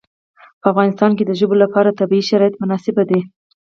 په افغانستان کې د ژبو لپاره طبیعي شرایط مناسب دي.